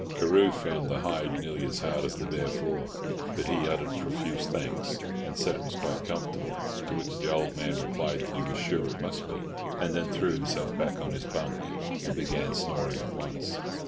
Carew found the hide nearly as hard as the bare floor, but he uttered profuse thanks, and said it was quite comfortable; to which the old man replied that he was sure it must be, and then threw himself back on his bunk and began snoring at once.